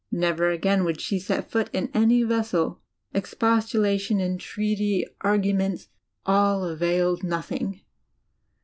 Never again would she set foot in any vessel. Exposmladon, entreaty, argument, all availed nothing.